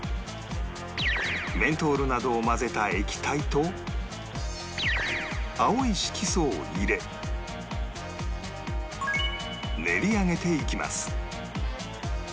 メントールなどを混ぜた液体と青い色素を入れ練り上げていきます